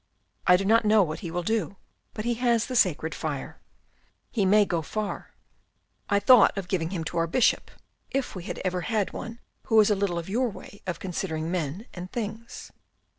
I do not know what he will do, but he has the sacred fire. He may go far. I thought of giving him to our Bishop, if we had ever had one who was a little of your way of considering men and things."